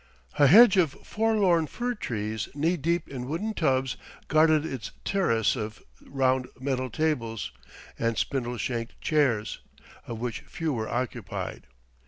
A hedge of forlorn fir trees knee deep in wooden tubs guarded its terrasse of round metal tables and spindle shanked chairs; of which few were occupied.